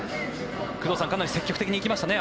工藤さん、かなり積極的に行きましたね。